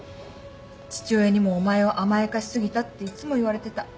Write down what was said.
父親にも「お前を甘やかし過ぎた」っていつも言われてた。